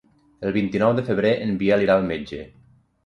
El vint-i-nou de febrer en Biel irà al metge.